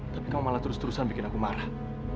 tapi kamu malah terus terusan bikin aku marah